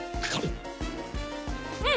うん！